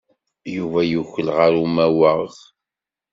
Yuba yukel ɣef umawaɣ.